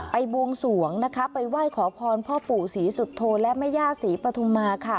บวงสวงนะคะไปไหว้ขอพรพ่อปู่ศรีสุโธและแม่ย่าศรีปฐุมาค่ะ